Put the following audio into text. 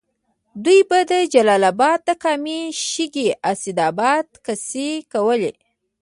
دوی به د جلال اباد د کامې، شګۍ، اسداباد کیسې کولې.